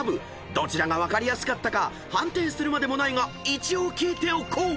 ［どちらが分かりやすかったか判定するまでもないが一応聞いておこう］